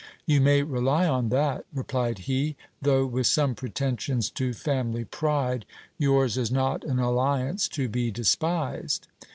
You may rely on that, replied he ; though with some pretensions to family pride, yours is not an alliance to be despised.